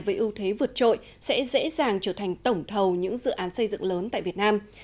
với ưu thế vượt trội sẽ dễ dàng trở thành tổng thầu những dự án xây dựng lớn tại việt nam